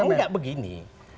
oh enggak begini